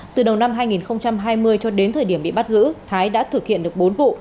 từ đầu năm hai nghìn hai mươi cho đến thời điểm bị bắt giữ thái đã thực hiện được bốn vụ